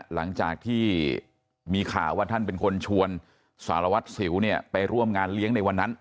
หลังจากที่มีข่าวว่าท่านเป็นคนชวนสารวัตรสิวเนี่ยไปร่วมงานเลี้ยงในวันนั้น